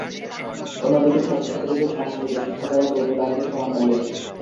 অন্যদিকে ছাত্র-ছাত্রীদের সংস্কৃত শিক্ষা দেওয়া চলতে লাগলো সমান তালে।